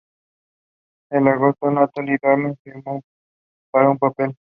En agosto, Natalie Dormer firmó para un papel.